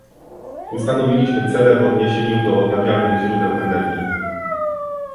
Ustanowiliśmy cele w odniesieniu do odnawialnych źródeł energii